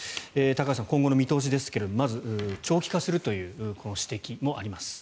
高橋さん、今後の見通しですがまず、長期化するという指摘もあります。